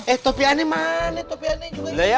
eh topi aneh mana